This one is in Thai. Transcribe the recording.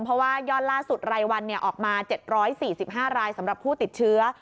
เพราะว่ายอดล่าสุดรายวันออกมา๗๔๕รายสำหรับผู้ติดเชื้อ